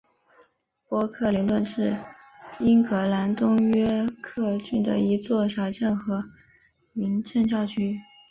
波克灵顿是英格兰东约克郡的一座小镇和民政教区。